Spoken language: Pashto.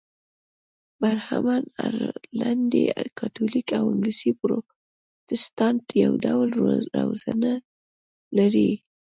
برهمن، ارلنډي کاتولیک او انګلیسي پروتستانت یو ډول روزنه لري.